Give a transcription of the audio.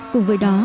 cùng với đó